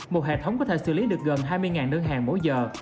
một hệ thống có thể xử lý được gần hai mươi đơn hàng mỗi giờ